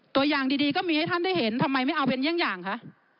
ตัวอย่างดีก็มีให้ท่านได้เห็นทำไมไม่เอาเป็นเยี่ยงอย่างคะ